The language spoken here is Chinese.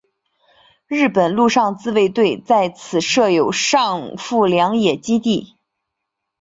日本陆上自卫队在此设有上富良野基地。